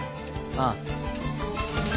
ああ。